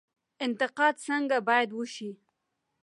انتقاد څنګه باید وشي؟